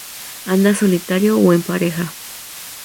Anda solitario o en pareja.